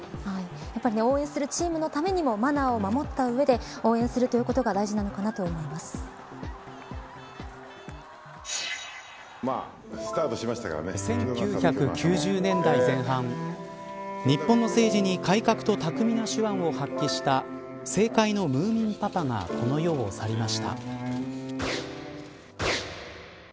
やっぱり応援するチームのためにもマナーを守った上で応援することが１９９０年代前半日本の政治に改革と巧みな手腕を発揮した政界のムーミンパパがこの世を去りました。